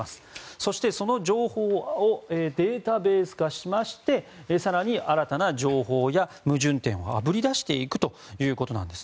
そして、その情報をデータベース化しまして更に新たな情報や矛盾点をあぶり出していくということです。